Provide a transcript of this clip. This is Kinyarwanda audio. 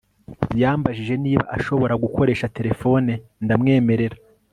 yambajije niba ashobora gukoresha terefone, ndamwemerera